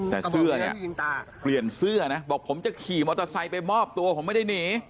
แต่เสื้อเนี่ยเปลี่ยนเสื้อนะบอกผมจะขี่มอเตอร์ไซค์ไปมอบตัวผมไม่ได้หนี